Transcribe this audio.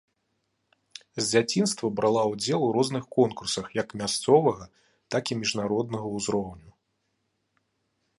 З дзяцінства брала ўдзел у розных конкурсах як мясцовага, так і міжнароднага ўзроўню.